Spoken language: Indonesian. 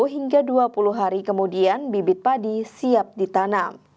dua puluh hingga dua puluh hari kemudian bibit padi siap ditanam